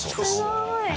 すごい！